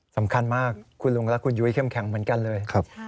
สำคัญมากคุณลุงและคุณยุ้ยเข้มแข็งเหมือนกันเลย